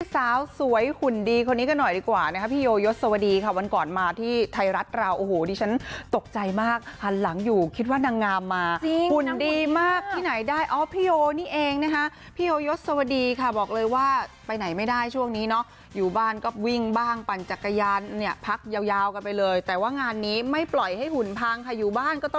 สาวสวยหุ่นดีคนนี้กันหน่อยดีกว่านะคะพี่โยยศวดีค่ะวันก่อนมาที่ไทยรัฐเราโอ้โหดิฉันตกใจมากหันหลังอยู่คิดว่านางงามมาหุ่นดีมากที่ไหนได้อ๋อพี่โยนี่เองนะคะพี่โยยศวดีค่ะบอกเลยว่าไปไหนไม่ได้ช่วงนี้เนาะอยู่บ้านก็วิ่งบ้างปั่นจักรยานเนี่ยพักยาวกันไปเลยแต่ว่างานนี้ไม่ปล่อยให้หุ่นพังค่ะอยู่บ้านก็ต